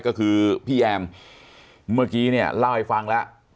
ก็คือพี่แอมเมื่อกี้เนี่ยเล่าให้ฟังแล้ว